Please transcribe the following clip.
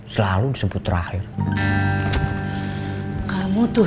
selalu disebut rahim kamu tuh ya